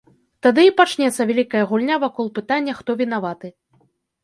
Тады і пачнецца вялікая гульня вакол пытання, хто вінаваты.